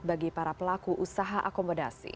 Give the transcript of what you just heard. bagi para pelaku usaha akomodasi